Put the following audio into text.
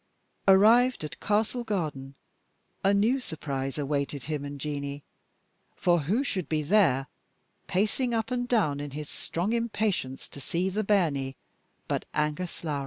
Arrived at Castle Garden, a new surprise awaited him and Jeanie, for who should be there, pacing up and down in his strong impatience to see the bairnie, but Angus Lowrie.